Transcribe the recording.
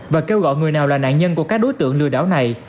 và kêu gọi người nào là nạn nhân của các đối tượng lừa đảo này